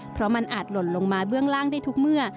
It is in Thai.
เพราะมันอาจหล่นลงมาเบื้องล่างได้ทุกเมื่อ